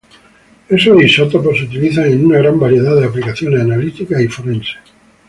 Estos isótopos se utilizan en una gran variedad de aplicaciones analíticas y forenses.